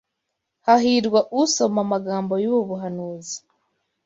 Hahirwa usoma amagambo y’ubu buhanuzi,